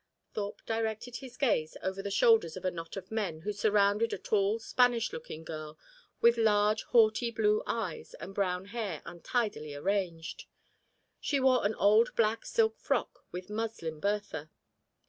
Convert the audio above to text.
Thorpe directed his glance over the shoulders of a knot of men who surrounded a tall Spanish looking girl with large haughty blue eyes and brown hair untidily arranged. She wore an old black silk frock with muslin bertha.